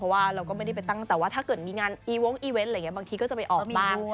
วินานอีโว้งอีเวนต์บางทีก็จะไปออกบ้าน